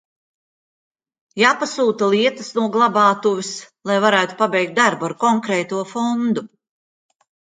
Jāpasūta lietas no glabātuves, lai varētu pabeigt darbu ar konkrēto fondu.